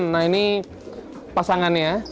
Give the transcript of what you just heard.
nah ini pasangannya